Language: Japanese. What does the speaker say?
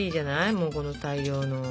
もうこの大量の。